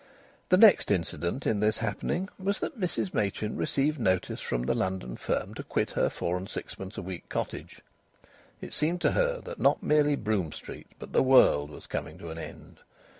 The next incident in these happening was that Mrs Machin received notice from the London firm to quit her four and sixpence a week cottage. It seemed to her that not merely Brougham Street, but the world, was coming to an end.